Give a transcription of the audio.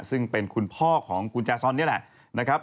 ซึ่งเป็นคุณพ่อของคุณแจซอนนี่แหละนะครับ